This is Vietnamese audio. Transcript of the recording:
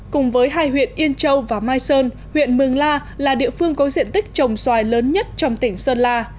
cùng với hai huyện yên châu và mai sơn huyện mường la là địa phương có diện tích trồng xoài lớn nhất trong tỉnh sơn la